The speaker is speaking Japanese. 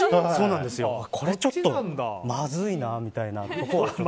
これ、ちょっとまずいなみたいな。